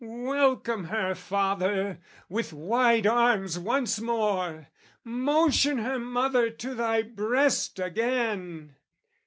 Welcome her, father, with wide arms once more, Motion her, mother, to thy breast again!